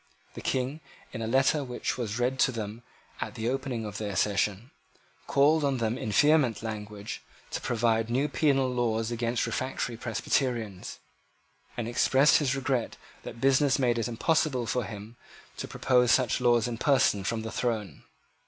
The King, in a letter which was read to them at the opening of their session, called on them in vehement language to provide new penal laws against the refractory Presbyterians, and expressed his regret that business made it impossible for him to propose such laws in person from the throne.